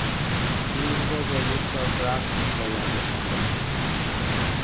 روز را با یک ساعت رقص به پایان رساندند.